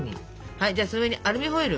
はいじゃその上にアルミホイル。